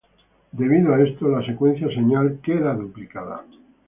Debido a esto, la secuencia señal queda duplicada.